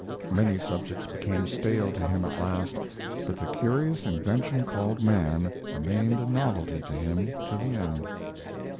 Many subjects became stale to him at last; but the curious invention called man remained a novelty to him to the end.